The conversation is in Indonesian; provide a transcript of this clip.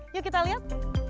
yuk kita lihat